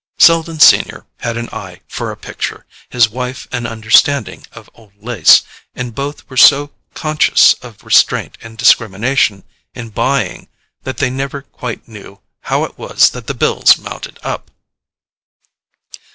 Selden senior had an eye for a picture, his wife an understanding of old lace; and both were so conscious of restraint and discrimination in buying that they never quite knew how it was that the bills mounted up.